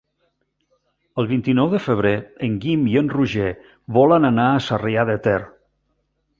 El vint-i-nou de febrer en Guim i en Roger volen anar a Sarrià de Ter.